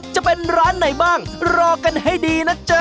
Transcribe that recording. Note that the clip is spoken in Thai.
จะเป็นร้านไหนบ้างรอกันให้ดีนะจ๊ะ